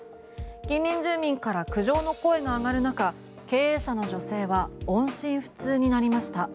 近隣住民から苦情の声が上がる中経営者の女性は音信不通になりました。